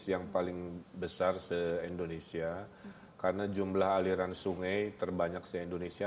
yang paling besar se indonesia karena jumlah aliran sungai terbanyak se indonesia